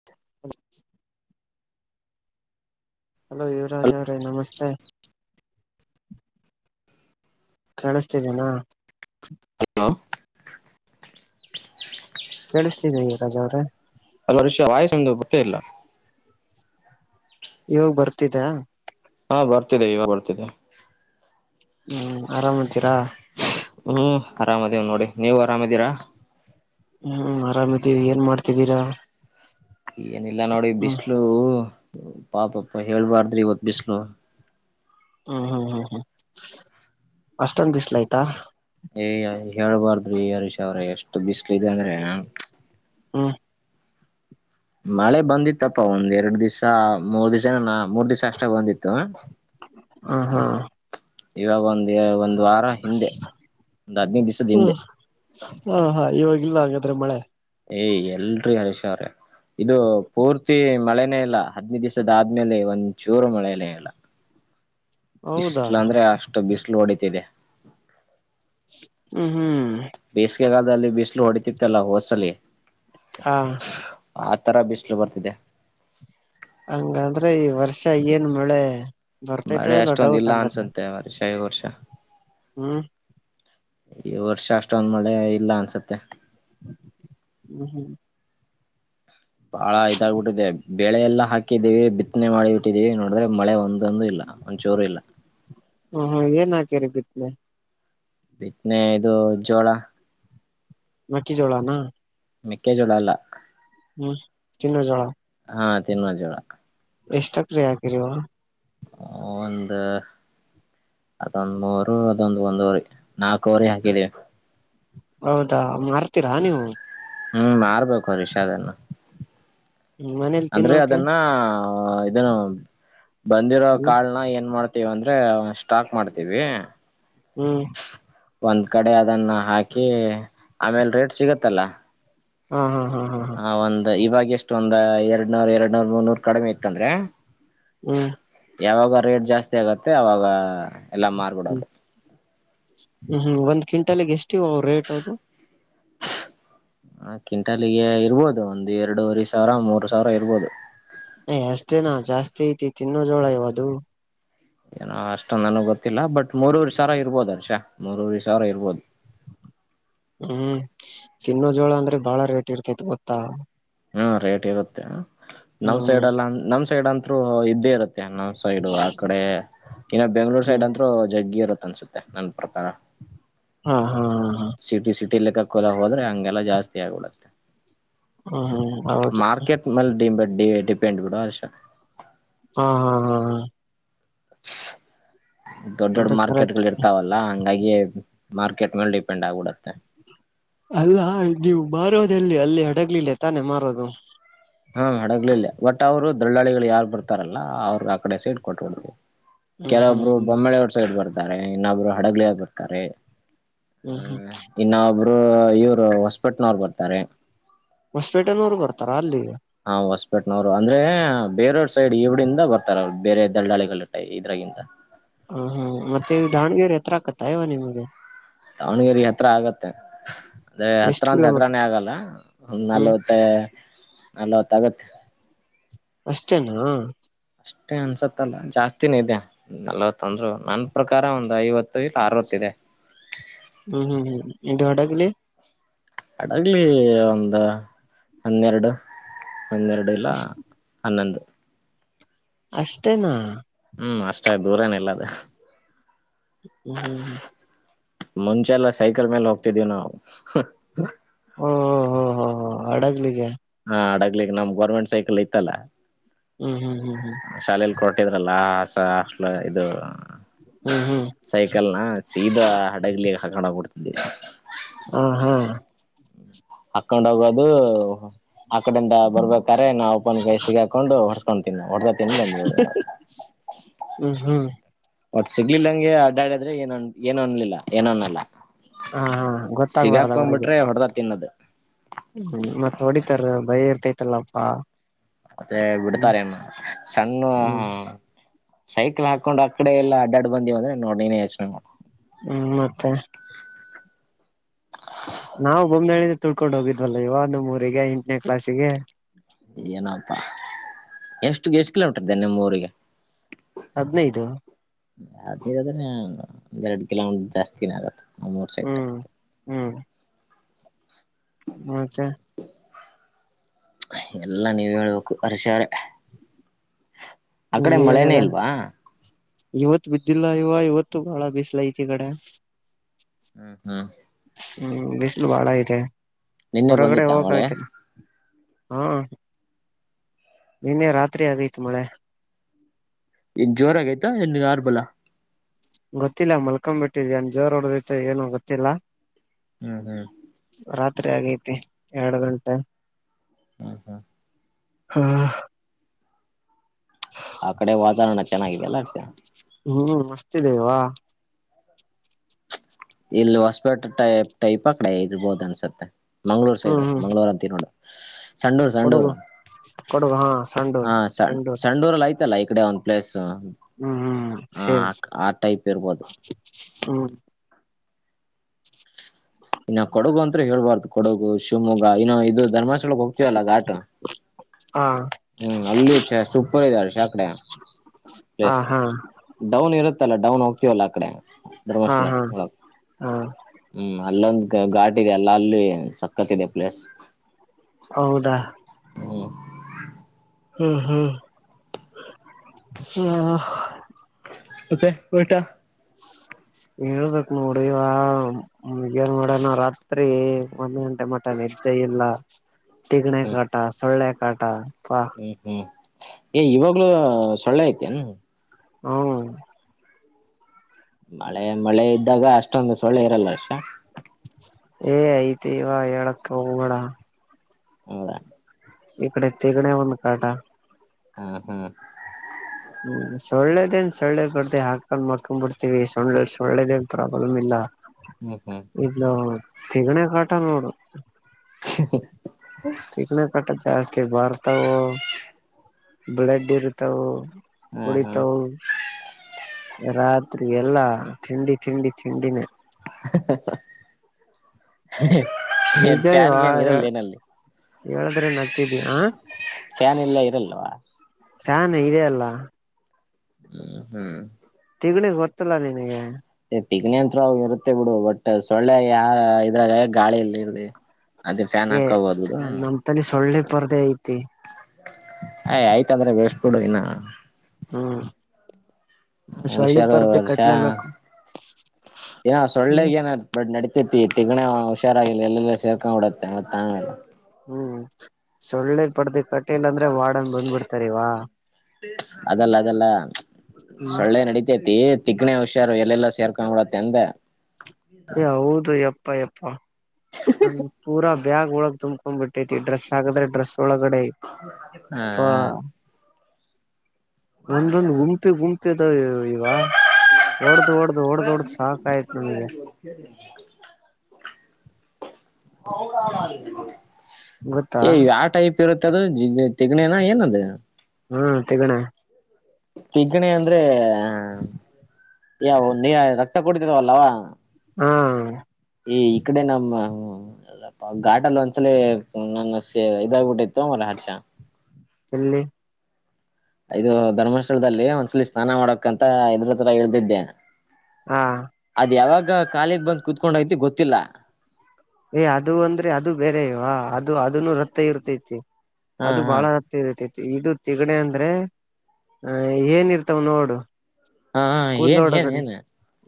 [unintelligible] Hello Yuvraj ಅವರೇ ನಮಸ್ತೆ. ಹ [unintelligible] ಕಳಿಸ್ತಿದ್ದೀನಾ. ಹಲೋ ಕೇಳಿಸ್ತಿದೆ ಯುವರಾಜ ಅವ್ರೆ ಹಲೋ ಹರೀಶ ವಾಯ್ಸ್ ನಿಮ್ದು ಬರತ್ತ ಇಲ್ಲ. ಇವಾಗ ಬರ್ತಿದ. ಹಾ ಬರ್ತಿದೆ ಇವಾಗ ಬರ್ತಿದೆ. ಹ್ಮ್ ಆರಾಮ್ ಇದ್ದೀರಾ. ಹ್ಮ್ ಅರಾಮ್ ಅದ್ದೀವ್ ನೋಡಿ ನೀವು ಅರಾಮ್ ಇದೀರಾ. ಹ್ಮ್ ಆರಾಮ್ ಇದ್ದೀವಿ ಏನ್ ಮಾಡ್ತಿದ್ದೀರಾ. ಏನಿಲ್ಲ ನೋಡಿ ಹ್ಮ್ ಬಿಸ್ಸಲೂ ಪಾಪಪ ಹೇಳ್ಬಾರ್ದ್ ರೀ ಇವತ್ ಬಿಸ್ಲು ಹ ಹ ಹ ಹ ಅಷ್ಟೊಂದು ಬಿಸ್ಲಾ ಆಯ್ತಾ. ಏಯ್ ಹೇಳ್ಬಾರ್ದ್ರಿ ಹರೀಶ್ ಅವರೇ ಎಷ್ಟು ಬಿಸಿಲು ಇದೆ ಅಂದ್ರೆ. ಹ್ಮ್ ಮಳೆ ಬಂದಿತ್ತಪ್ಪಾ ಒಂದ್ ಎರಡ್ ದಿವಸ ಮೂರ್ ದಿವಸ ನ ಮೂರ್ ದಿವಸ ಅಷ್ಟೇ ಬಂದಿತ್ತು. ಹ ಹಾ ಇವಾಗ ಒಂದು ಒಂದ್ ವಾರ ಹಿಂದೆ ಒಂದ್ ಹದಿನೈದು ದಿವಸದ್ ಹಿಂದೆ. ಹಾ ಹಾ ಇವಾಗಿಲ್ಲ ಹಾಗಾದ್ರೆ ಮಳೆ. ಏ ಎಲ್ರಿ ಹರೀಶ್ ಅವ್ರೆ ಇದು ಪೂರ್ತಿ ಮಳೆನೇ ಇಲ್ಲ. ಹದಿನೈದ್ ದಿವಸದ ಆದ್ಮೇಲೆ ಒಂದುಚೂರು ಮಳೆ ಇಲ್ಲ ಹೌದಾ ಬಿಸಿಲು ಅಂದ್ರೆ ಅಸ್ಟ್ ಸ್ಟ್ ಬಿಸಿಲು ಹೊಡಿತಿದೆ. ಹೂ ಹೂ ಬೇಸಿಗೆ ಕಾಲದಲ್ಲಿ ಬಿಸಿಲು ಹೊಡಿತಿತ್ತಲ್ಲ ಹೋದ್ ಸಲಿ ಹಾ ಆ ತರ ಬಿಸಲು ಬರ್ತಿದೆ. ಹಂಗಂದ್ರೆ ಈ ವರ್ಷ ಏನ್ ಮಳೆ ಬರ್ತೈತೊ ಇಲ್ಲ ಡೌಟ್ ಹಂಗದ್ರೆ. ಏ ಹರೀಶ ಈ ವರ್ಷ ಹ್ಞೂ ಈ ವರ್ಷ ಅಷ್ಟೊಂದ್ ಮಳೆ ಇಲ್ಲ ಅನ್ಸುತ್ತೆ. ಹ್ಮ್ ಹ್ಮ್ ಬಾಳ ಇದಾಗಬಿಟ್ಟಿದೆ ಬೆಳೆ ಎಲ್ಲಾ ಹಾಕಿದ್ದೀವಿ ಬಿತ್ತನೆ ಮಾಡಿಬಟ್ಟಿದ್ದೀವಿ ನೋಡಿದ್ರೆ ಮಳೆ ಒಂದೊಂದು ಇಲ್ಲ ಒಂಚೂರು ಇಲ್ಲಾ ಹಹ ಏನ್ ಹಾಕಿರಿ ಬಿತ್ನೆ ಬಿತ್ತನೆ ಇದು ಜೋಳ ಮೆಕ್ಕಿಜೋಳ ನ ಮೆಕ್ಕೆ ಜೋಳ ಅಲ್ಲಾ ಹ್ಮ್ ಚಿನ್ನ ಜೋಳ ಹಾ ತಿನ್ನೋ ಜೋಳಾ ಎಷ್ಟ ಎಕ್ರೆ ಹಾಕಿರಿವ ಒಂದ ಅದೊಂದ್ ಮೂರು ಅದೊಂದ್ ಒಂದ್ವರಿ ನಾಲ್ಕು ವರಿ ಹಾಕಿದೀವಿ ಹೌದಾ ಮಾರತಿರಾ ನೀವು ಹ್ಮ್ ಮಾರ್ಬೇಕು ರಿಷಾದನ್ನು ಹ್ಮ ಮನೆಲಿ ಅಂದ್ರೆ ಅದನ್ನ ಇದನ್ನು ಬಂದಿರೋ ಹ್ಮ್ ಕಾಳನ ಏನ್ ಮಾಡ್ ವ ಅಂದ್ರೆ ಸ್ಟಾಕ್ ಮಾಡ್ತೀವಿ ಹ್ಮ್ ಒಂದ್ ಕಡೆ ಅದನ್ನ ಹಾಕಿ ಆಮೇಲೆ ರೇಟ್ ಸಿಗತ್ತಲ್ಲ ಹಾ ಹಾ ಹಾ ಹಾ ಹಾ ಹ ಒಂದ್ ಇವಾಗ ಎಷ್ಟು ಒಂದ್ ಎರಡ್ ನೂರ್ ಎರಡ್ನೂರ್ ಮುನ್ನೂರ್ ಕಡಿಮೆ ಇತ್ತಂದ್ರೆ ಹ್ಮ್ ಯಾವಾಗ ರೇಟ್ ಜಾಸ್ತಿ ಆಗತ್ತೆ ಅವಾಗ ಎಲ್ಲ ಹ್ಮ್ ಮಾರ್ಬಿಡೋದು ಹ್ಮ್ ಹ್ಮ್ ಒಂದ ಕ್ವಿಂಟಲ್ ಗೆ ಎಷ್ಟಿವ ರೇಟ್ ಅದು ಹ ಕ್ವಿಂಟಾಲಿಗೆ ಇರ್ಬೋದು ಒಂದಂದು ಎರಡೂವರೆ ಸಾವಿರ ಮೂರು ಸಾವಿರ ಇರ್ಬೋದು ಯ್ ಅಷ್ಟೇ ನ ಜಾಸ್ತಿ ಐತಿ ತಿನ್ನೋ ಜೋಳ ಇವದು ಏನೋ ಅಷ್ಟೊ ನನಗ್ ಗೊತ್ತಿಲ್ಲ ಬಟ್ ಮೂರೂವರೆ ಸಾವರ ಇರ್ಬೋದು ಅರ್ಷ ಮೂರೂವರೇ ಸಾವಿರ ಇರ್ಬೋದು ಹ್ಮ್ ತಿನ್ನೋ ಜೋಳ ಅಂದ್ರೆ ಬಾಳ ರೇಟ್ ಇರ್ತೈತ್ ಗೊತ್ತಾ ಹ್ಮ ರೇಟ್ ಇರುತ್ತೆ ನಮ್ ಸೈಡ್ ಹ್ಮ್ ಲ್ಲ ನಮ್ ಸೈಡ್ ಅಂತರು ಇದ್ದೇ ಇರುತ್ತೆ ಅನ್ನ ಸೈಡು ಆ ಕಡೆ ಇನ್ನ ಬೆಂಗ್ಳೂರ್ ಹ್ಮ್ ಸೈಡ್ ಅಂತರು ಜಗ್ಗಿ ಇರುತ್ತತ್ ಅನ್ಸುತ್ತೆ ನನ್ ಪ್ರಕಾರ ಹಾ ಹಾ ಹಾ ಸಿಟಿ ಸಿಟಿಲ್ಲಿ ಕಕ್ಕೋಲ ಹೋದ್ರೆ ಹಂಗೆಲ್ಲ ಜಾಸ್ತಿ ಆಗಿಬಿಡುತ್ತೆ ಹಾ ಹ್ಮ್ ಹೌದು ಮಾರ್ಕೆಟ್ ಮೇಲೆ ಡಿ ಡಿಪೆಂಡ್ ಬಿಡುವ ಹರ್ಷಾ ಹಾ ಹಾ ಹಾ ಹಾ ದೊಡ್ಡ ದೊಡ್ಡ ಅದು ಮಾರ್ಕೆಟ್ ಕರೆಕ್ಟ್ ಗಳು ಇರ್ತಾವ ಲ್ಲ ಹಂಗಾಗಿ ಮಾರ್ಕೆಟ್ ಮೇಲ್ ಡಿಪೆಂಡ್ ಆಗ್ಬಿಡುತ್ತೆ ಅಲ್ಲ ನೀವು ಮಾರೋದೆಲ್ಲಿ ಅಲ್ಲಿ ಹಡಗ್ಲಿಲ್ಲ ತಾನೇ ಮಾರೋದು ಹಾ ಹಡಗಲಿಯಲ್ಲಿ ಬಟ್ ಅವ್ರು ದಲ್ಲಾಳಿಗಳು ಯಾರು ಬರ್ತಾರಲ್ಲಾ ಅವರು ಆ ಕಡೆ ಸೈಡ್ ಕೊಟ್ಟ ಬಿಡು ದ ಹ್ಮ್ ಹ್ಮ್ ಕೆಲವೊಬ್ರು ಹ್ಮ್ ಬೊಮ್ಮಳಿವ ಸೈಡ್ ಬರ್ತಾರೆ ಇನ್ನೊಬ್ರು ಹಡಗ್ಲಿಯಾಗ ಬರ್ತಾರೆ ಹ್ಮ್ ಹ್ಮ್ ಇನ್ನ ಒಬ್ರು ಇವ್ರು ಹೊಸಪೆಟ್ನವರು ಬರ್ತಾರೆ ಹೊಸಪೇಟೆನೂರು ಬರ್ತಾರ ಅಲ್ಲಿಗ ಹಾ ಹೊಸಪೇಟ ನವರು ಅಂದ್ರೆ ಬೇರೋಡ್ ಸೈಡ್ ಇವಡಿಂದ ಬರ್ತಾರಲ್ ಬೇರೆ ದಲ್ಲಾಳಿಗಳ ಇದ್ರಾಗಿಂತ ಹ ಹ್ಮ್ ಮತ್ತೆ ದಾವಣಗೆರೆ ಹತ್ರ ಆಕತ್ತ ಇವ ನಿಮ್ಗೆ ದಾವಣಗೆರೆ ಹತ್ರ ಆಗತ್ತೆ ಅದ್ರೆ ಹತ್ರ ಎಷ್ಟು ಅಂದ್ರೆ ಕಿಲೋಮೀಟರ್ ಹತ್ರಾನೇ ಆಗಲ್ಲ ಒಂದ್ ಹ್ಮ್ ನಲ್ವತ್ತು ಮತ್ತೆ ನಲವತ ಆಗತ್ತ ಅಷ್ಟೇನಾ ಅಷ್ಟೇ ಅನ್ಸತ್ತಲ್ಲ ಜಾಸ್ತಿನೆ ಇದೆ. ನಲ್ವತೊಂದ್ರು ನನ್ ಪ್ರಕಾರ ಒಂದು ಐವತ್ತು ಇಲ್ಲ ಅರವತ್ತ ಇದೆ. ಹ್ಮ್ ಹ್ಮ್ ಹ್ಮ್ ಇದು ಹಡಾಗಲಿ ಅಡಗ್ಲಿ ಒಂದ ಹನ್ನೆರಡು ಹನ್ನೆರಡು ಇಲ್ಲ ಅಷ್ಟ ಹನ್ನೊಂದು. ಅಷ್ಟೇನಾ ಹ್ಮ್ ಅಷ್ಟ ದೂರೇನು ಇಲ್ಲ ಅದು. ಹ್ಮ ಹ್ಮ್ ಮುಂಚೆಲ್ಲ ಸೈಕಲ್ ಮೇಲೆ ಹೋಗ್ತಿದೀವಿ ನಾವು. ಹ ಹ್ ಹ್ ಹ ಹ್ ಅಡಗ್ಲಿಗೆ ಹಾ ಅಡಗ್ಲಿಗ್ ನಮ್ ಗೌರ್ಮೆಂಟ್ ಸೈಕಲ್ ಇತ್ತಲ್ಲ. ಹ್ಮ್ ಹ್ಮ್ ಹ್ಮ್ ಹ್ಮ್ ಶಾಲೆಲಿ ಕೊರಟ್ಟಿದ್ರಲ್ಲ [unintelligible] ಇದು ಹ್ಮ್ ಹ್ಮ್ ಹ್ಮ್ ಹ್ಮ್ ಸೈಕಲ್ನ ಸೀದಾ ಹಡಗ್ಲಿ ಹಗಣ ಕೊಡ್ತಿದ್ದೆ. ಹ ಹಾ ಹಾಕ್ಕೊಂಡ ಹೋಗೋದು ಆಕಡೆ ಇಂದ ಬರ್ಬೇಕು ತಾರೆ ನಾಮ್ ಅಪ್ಪನ್ ಕೈ ಸಿಗಾಕೊಂಡು ಹೊಸ್ಕೊಂಡಂತೀನ್ ನಾವು ಹೊಡೆತ [unintelligible] ಹ್ಮ ಹ್ಮ್ ಒಟ್ ಸಿಗ್ಲಿಲ್ಲಂಗೆ ಅಡಡ್ಡಿದ್ರೆ ಏನನ್ ಏನ್ ಅನ್ಲಿಲ್ಲ ಏನ ಅನ್ನಲ್ಲ. ಹಾ ಹಾ ಗೊತ್ತಾಗ್ಬಾರ್ದ ಸಿಗಾಕೊಬಿಟ್ರೆ ಹೊಡೆದ ತಿನ್ನದು. ಹ್ಮ ಮತ್ತ್ ಹೊಡಿತಾರ ಭಯ ಇರ್ತೈತಲ್ಲಪ್ಪಾ. ಮತ್ತೆ ಹ್ಮ್ ಬಿಡ್ತಾರೆನು ಸಣ್ಣ ಹ್ಮ್ ಸೈಕ್ಲ್ ಹಾಕೊಂಡ್ ಆಕಡೆ ಎಲ್ಲ ಅಡ್ಡಡ್ ಬಂದ್ವಿ ಅಂದ್ರೆ ನೋಡ್ ನೀನೆ ಯೋಚನೆ ಮಾಡೋ ಹ್ಮ್ ಮತ್ತೆ ನಾವು ಬೊಮ್ಮೆಳಿದ ತಿಳ್ಕೊಂಡು ಹೋಗಿದ್ವಲ್ಲ ಇವಾಗಂದು ಹುರಿಗೆ ಎಂಟನೇ ಕ್ಲಾಸಿಗೆ ಏನಪ್ಪಾ ಎಷ್ಟು ಎಷ್ಟು ಕಿಲೋಮೀಟರ್ ಇದ್ದೇ ನಿಮ್ಮ್ ಊರಿಗೆ? ಹದ್ನೈದು. ಯಾವ್ದ ಇರದ್ರೆ ಒದ್ ಎರಡ್ ಕಿಲೋಮೀಟ್ರ ಜಾಸ್ತಿನ ಆಗತ್ತ ಮೂರ್ ಸೈಕ್ ಹ್ಮ್ ಹ್ಮ್ [unintelligible] [unintelligible] ಎಲ್ಲ ನೀವ್ ಹೇಳ್ಬೇಕು ಹರ್ಷಿ ಅವ್ರೆ. ಆ ಕಡೆ ಮಳೆನೇ ಇಲ್ವಾ? ಇವತ್ತು ಬಿದ್ದಿಲ್ಲ ಇವ ಇವತ್ತು ಬಾಳ ಬಿಸ್ಲ ಐತಿ ಇ ಕಡೆ ಹ್ಮ್ ಹ್ಮ್ ಹ್ಮ್ ಬಿಸಿಲು ಬಾಳ ಐತೆ ನಿನ್ನೆ ಹೊರಗಡೆ ಬಂದಿತ್ತ ಮಳೆ ಹೋಗಕಾಯ್ತಿಲ್ಲ ಹಾ ನಿನ್ನೆ ರಾತ್ರಿ ಆಗೈತ ಮಳೆ. ಎನ್ ಜೋರ ಆಗೈತಾ ಎನ್ ನಾರ್ಮಲ್ ಆ ಗೊತ್ತಿಲ್ಲ ಮಲ್ಕೊ ಬಿಟ್ಟಿದಿ ಏನ್ ಜೋರ್ ಹೊಡದತ್ತು ಏನು ಗೊತ್ತಿಲ್ಲ. ಹ್ಮ್ ಹ್ಮ್ ರಾತ್ರಿ ಆಗೈತಿ ಎರಡು ಗಂಟೆ. ಹ್ಮ [unintelligible] ಆ ಕಡೆ ವಾತಾವರಣ ಚೆನ್ನಾಗಿದೆ ಅಲ್ಲ ಅಸ್ಟೆ. ಹ್ಮ್ ಮಸ್ತಿದೆೇವಾ ಇಲ್ಲಿ ಹೊಸಪೇಟೆ ಟೈಪ್ ಟೈಪ್ ಆ ಕಡೆ ಇರ್ಬಹದು ಅನ್ಸುತ್ತೆ ಮಂಗ್ಳೂರ್ ಸೈಡ್ ಹ್ಮ್ ಹ್ಮ್ ಮಂಗ್ಳೂರ್ ಅಂತ ನೋಡು ಸಂಡೂರು ಕೊಡಗು ಸಂಡೂರು ಕೊಡಗು ಹಾ ಹ ಸಂಡೂರ್ ಸ ಸಂಡೂರ್ ಸಂಡೂರಲ್ಲಿ ಆಯ್ತು ಇತ್ತಲ್ಲ ಈ ಕಡೆ ಒಂದ್ ಪ್ಲೇಸ್ ಹ್ಮ್ ಹ್ಮ್ ಹ ಆ ಟೈಪ್ ಇರ್ಬೋದು. ಹ್ಮ ಇನ್ನು ಕೊಡಗು ಅಂತ್ರ ಹೇಳ್ಬಾರ್ದು ಕೊಡಗು ಶಿವಮೊಗ್ಗ ಇನ್ನು ಇದು ಧರ್ಮಸ್ಥಳಕ ಹೋಗ್ತೀವಲ್ಲ ಘಾಟ. ಹಾ ಹ್ಮ್ ಅಲ್ಲಿ ಸೂಪರ್ ಆಗಿದೆ [unintelligible] ಹಾ ಹಾ ಡೌನ್ ಇರುತ್ತಲ್ಲ ಡೌನ್ ಹೋಗ್ತೀವಲ್ಲ ಆ ಕಡೆ ಹಾ ಧರ್ಮಸ್ಥಳ. ಹಾ ಹಾ ಹ್ಮ್ ಅಲ್ಲೊಂದ ಘಾಟ್ ಇದೆ ಅಲ್ಲ ಅಲ್ಲಿ ಸಕ್ಕತ್ ಇದೆ ಪ್ಲೇಸ್. ಹೌದಾ ಹ್ಮ ಹ್ಮ್ ಹ್ಮ್ ಹ್ಹಾ. ಮತ್ತೆ ಊಟ. [inaudible] ಹೇಳ್ಬೇಕ್ ನೋಡ ಇವ ಏನ್ ಮಾಡ್ಯಾನ ರಾತ್ರಿ ಒಂದ ಮೆ ಮಟ್ಟ ನಿದ್ದೆ ಇಲ್ಲ ತೆಗಣೆ ಹ್ಮ್ ಕಾಟ ಸೊಳ್ಳೆ ಕಾಟಾ ಅಬ್ಬಾ ಹ್ಮ್ ಹ್ಮ್ ಏ ಇವಾಗ್ಲೂ ಸೊಳ್ಳೆ ಐತೇನು. ಹ್ಮ್ [inaudible] ಮಳೆ ಮಳೆ ಇದ್ದಾಗ ಅಷ್ಟೊಂದು ಸೊಳ್ಳೆ ಇರಲ್ಲ ಅಷ್ಟ ಏ ಐತಿ ಇವ ಹೇಳಕ್ಕೆ ಹೋಗಬೇಡ. ಹೌದಾ ಈಕಡೆ ತಿಗಣೆ ಒಂದು ಕಾಟ. ಹ್ಮ್ ಹ್ಮ್ ಹ್ಮ್ ಸೋಳ್ಳೆದೇನ್ ಸೊಳ್ಳೆ ಬಂದ್ರೆ ಹಾಕೊಂಡ್ ಮಡ್ಕೊಂಡ್ ಬಿಡ್ತೀವಿ ಸೊಳ್ಳೆ ಸೊಳ್ಳೆದೇನ್ ಪ್ರಾಬ್ಲಮ್ ಇಲ್ಲ. ಹ ಹಾ ಇದು ತಿಗಣೆ ಕಾಟ ನೋಡು. [inaudible] ತಿಗಣೆ ಕಾಟ ಜಾಸ್ತಿ ಬರ್ತವು ಬ್ಲಡ್ ಇರ್ತವು. ಹ್ಮ್ ಹೋಯ್ತು. ಎಲ್ಲ ರಾತ್ರಿ ಎಲ್ಲಾ ತಿಂಡಿ ತಿಂಡಿ ತಿಂಡಿನೇ. ಹ್ಹಾ. ನ್ ಫಾನ್ ನಿಜವಾ ಗೆನ್ ಏನ್ ಇರಲ್ಲ ಏನ್ ಅಲ್ಲಿ. ಹೇಳದ್ರೆ ನಗ್ತಿದಿ ಆ ಫಾನ್ ಎಲ್ಲ ಇರ್ಲಿಲ್ವ. ಫ್ಯಾನ್ ಇದೆ ಅಲ್ಲ. ಹ್ಮ ಹ್ಮ್ ತಿಗಣೆ ಗೊತ್ತಲ್ಲ ನಿನಗೆ. ತಿಗಣೆ ಅಂತ್ರ ಇರುತ್ತೆ ಬಿಡು ಬಟ್ ಸೊಳ್ಳೆ ಯ ಇದ್ರಾಗ ಗಾಳಿ ಎಲ್ಲಿ ಇರದೆ. ಅದು ಫ್ಯಾನ್ ಏ ಹಾಕಬೋದು ಬಿಡು. ನಮ್ ಸೊಳ್ಳೆ ಪರ್ದೆೆ ಐತಿ. ಆಯ್ತ್ ಆಯ್ತಂದ್ರೆ [unintelligible] ದಿನ. ಹ್ಹಾ. ಸೊಳ್ಳೆ ಹುಷಾರು ಪರದೇ ಕಟ್ಲೇ ಬೇಕು. ಯಾ ಸೊಳ್ಳೆ ಏನ ನಡೀತೈತಿ ತಿಗಣೆ ಹುಷಾರಾಗಿರಿ ಎಲ್ಲ ಸೇರ್ಕೊಂಡ್ ಬಿಡತ್ತೆ ಮತ್ತ ಆಮೇಲೆ. ಹ್ಮ್ ಸೊಳ್ಳೆ ಪರ್ದ ಕಟ್ಟಿಲ್ಲ ಅಂದ್ರೆ ವಾರ್ಡನ್ ಬಂದ್ಬಿಡ್ತಾರಲ್ವ. ಅದಲ್ಲ ಅದಲ್ಲ ಹ್ಮ್ ಸೊಳ್ಳೆ ನಡಿತೈತಿ. ತಿಗಣೆ ಹುಷಾರು ಎಲ್ಲೆಲ್ಲೊ ಸೇರ್ಕೊಂಡು ಬಿಡುತ್ತತಂದೆ. ಏಯ್ ಹೌದು ಎಪ್ಪ ಎಪ್ಪ ಹ್ಮ ಪೂರ ಬ್ಯಾಗೋಳಗ್ ತುಂಬಕಂದ ಬಿಟ್ಟೈತಿ ಡ್ರೆಸ್ಸಾಗದ ಡ್ರೆಸ್ ಒಳಗಡೆ ಐತಿ. ಹ್ಮ್, ಒಂದೊಂದು ಗುಂಪೆ ಗುಂಪಿದಾವ ಈವಾ ಒಡ್ದ -ಒಡ್ದ, ಒಡ್ದ್- ಒಡ್ದು ಸಾಕ ಆಯ್ತು ನಮಗೆ. ಹೌದ [unintelligible] ಗೊತ್ತಾ [inaudible] ಏಯ್ ಯಾವ ಟೈಪ್ ಇರುತ್ತೆ ಅದು ತಿಗಣೆನ ಏನದು? ಹ್ಮ್, ತಿಗಣೆ. ತಿಗಣೆ ಅಂದ್ರೆ,, ನೀ ರಕ್ತ ಕುಡ್ತ್ಯಾವಲ್ಲಾ ಅವಾ ಹ [inaudible] ಈ. ಈಕಡೆ ನಮ್ಮ ಅಲ್ಲಪ್ಪ ಘಾಟ ಅಲ್ಲಿ ಒಂದ್ಸಲಿ ನನ್ನ ಇದಾಗಬಿಟ್ಟಿ ತ್ತು ಮಾರಾಯ ಹರ್ಷ. ಎಲ್ಲಿ? ಇದು ಧರ್ಮಸ್ಥಳದಲ್ಲಿ ಒಂದ್ಸಲ ಸ್ನಾನ ಮಾಡಕ್ಂತ ಎ್ರ [unintelligible] ಇಳ್ದಿದ್ದೆ. ಹಾ ಅದ್ ಯಾವಾಗ ಕಾಲಿಗ ಬಂದ್ ಕುತ್ಕೊಂಡ್ ಐತಿ ಗೊತ್ತಿಲ್ಲ. ಏಯ್ ಅದು ಅಂದ್ರೆ ಅದು ಬೇರೆವಾ ಅದು ಅದನು ರಕ್ತ ಇರ್ತೈತಿ ಹಾ ಅದು ಹಾ ಬಹಳ ಇದು ತಿಗಣೆ ಅಂದ್ರೆ ಆಹ ಏನ್ ಇರ್ತಾವ ನೋಡು ಹಾ ಹಾ ಕೂದಲ ಏನ್ ಒಡ [unintelligible] ಏನ್ ಕಡೆ ಏನ್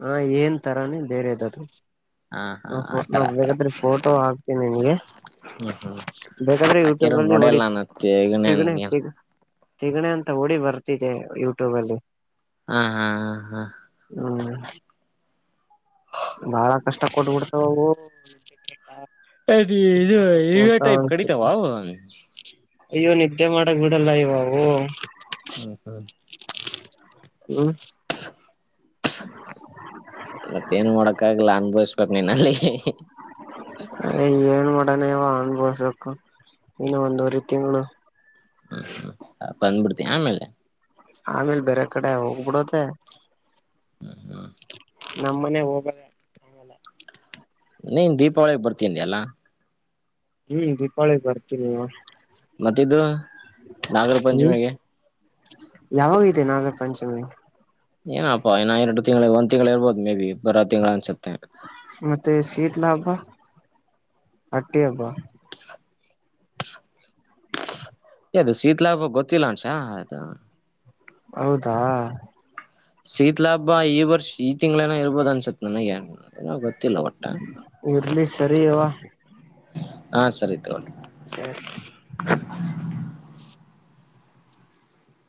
ಹ ಏನ್ ತರಾನೇ ಬೇರೆದದು ಹಾ ಹಾ ಆತರ ನಾನಾನು ಆತರ ಬೇಕಾದೆ ಫೋಟೋ ಹಾಕ್ತೇನೆ ನಿಮಗೆ. ಹ್ಮ್ ಹ್ಮ್ ಬೇಕಾದ್ರೆ ಆಕಿರ ಯೂಟ್ಯೂಬ ಅಲ್ಲಿ ವಡಿ ನೋಡಲ್ಲ ಅನತ್ತೆ ಈಗನ ತಿಗಣೆ ಏನ್ ತಿಗ ತಿಗಣೆ ಅಂತ ವಡಿ ಬರ್ತಿದೆ ಯೂಟ್ಯೂಬಲ್ಲಿ. ಹಾ, ಹಾ, ಹಾ, ಹಾ ಹ್ಮ್ [inaudible] ಬಾಳ ಕಷ್ಟ ಕೊಟ್ಬಿಡ್ತಾವವು. ಅರಿ [unintelligible] ಇದು ಇರುವೆ ಅಂತ ಟೈಪ್ ಅನ್ಸತಿ ಕಡಿತಾವ ಅವು. ಅಯ್ಯೋ! ನಿದ್ದೆ ಮಾಡಕ್ ಬಿಡಲ್ಲ ಅಯ್ಯ ಅವು. ಹ್ಮ ಹ್ಮ [inaudible] ಹ್ಮ್ [unintelligible] ಮತ್ತೇಏನ್ ಮಾಡೋಕ ಆಗಲ್ಲ ಅನ್ಭವಿಸ್ಬೇಕ್ ನೀನ್ ಅಲ್ಲಿ. ಏನ್ ಮಾಡಾನೆ ಯವ ಅನ್ಬೋಸ್ಬೇಕು ಇನ್ನು ಒಂದುವರೆ ತಿಂಗಳು. ಹ್ಮ್ ಹ್ಮ [unintelligible] ಬಂದ್ಬಿಡ್ತೀಯ ಆಮೇಲೆ. ಆಮೇಲೆ ಬೇರೆ ಕಡೆ ಹೋಗ್ಬಿಡೋ [unintelligible] ತ್ತೆ. ನಮ್ಮ್ ಮನೆಗೆ ಹೋಗ ನೀನ್ ದೀಪಾವಳಿಗ್ ಬರ್ತೀನಿ ಅಂದಿಯಲ್ಲಾ. ಹ್ಮ್, ದೀಪಾವಳಿಗಿ ಬರ್ತೀನಿ. ಮತ್ತೆಇದು ನಾಗರ ಹ್ಮ್ ಪಂಚಮಿಗೆ. ಯಾವಾಗೈತೆ ನಾಗರ ಪಂಚಮಿ? ಏನಪ್ಪಾ ಇನ್ನಾ ಎರಡು ತಿಂಗಳು, ಒಂದ ತಿಂಗಳು ಇರ್ಬೋದು ಮೇ ಬಿ ಬರೊ ತಿಂಗಳ ಅನ್ಸುತ್ತೆ. ಮತ್ತೆ ಶೀತ್ಲಾ ಹಬ್ಬ, ಹಟ್ಟಿ ಹಬ್ಬ. ಅ ಅದು ಶೀತಲಾಭ ಗೊತ್ತಿಲ್ಲ ಅಂಷಾ [unintelligible] ಅದು ಹೌದಾ, ಶೀತ ಲಾಹಬ್ಬ ಈ ವರ್ಷ ಈ ತಿಂಗಳೇನ ಇರ್ಬೋದ ಅನ್ಸತ್ ನನಗೆ ಗೊತ್ತಿಲ್ಲ ಒಟ್ಟ. ಇರ್ಲಿ ಸರಿಯವಾ,, ಹಾ ಸರಿ ತಗೊಳಿ. ಸರಿ